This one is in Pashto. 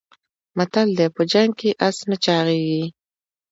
متل دی: په جنګ کې اس نه چاغېږي.